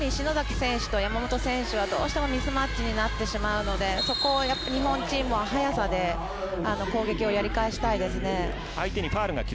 選手と山本選手はどうしてもミスマッチになってしまうので日本チームは速さで攻撃をやり返したいですね。